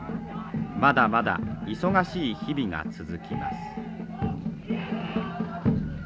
まだまだ忙しい日々が続きます。